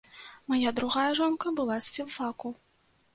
Мая другая жонка была з філфаку.